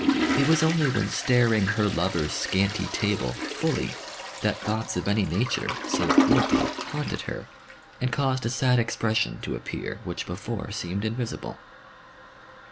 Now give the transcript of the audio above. It was only when staring her lover's scanty table fully that thoughts of any nature, save cruelty, haunted her and caused a sad expression to appear which before seemed invisible.